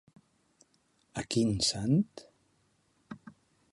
A quin sant?